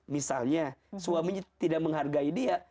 misalnya suaminya tidak menghargai dia